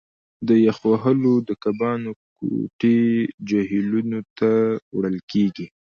د یخ وهلو د کبانو کوټې جهیلونو ته وړل کیږي